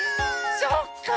そっか。